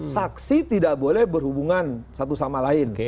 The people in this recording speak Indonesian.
saksi tidak boleh berhubungan satu sama lain